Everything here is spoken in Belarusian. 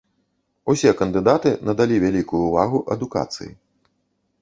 Усе кандыдаты надалі вялікую ўвагу адукацыі.